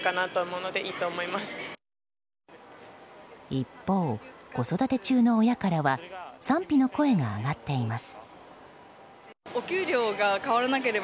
一方、子育て中の親からは賛否の声が上がっています。